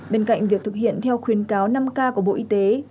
bên cạnh việc thực hiện theo khuyến cáo năm k của bộ y tế